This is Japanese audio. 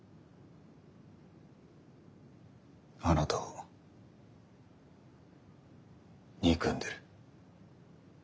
あなたを憎んでる。